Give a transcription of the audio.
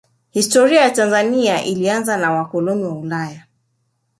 Historia ya Tanzania ilianza na wakoloni wa Ulaya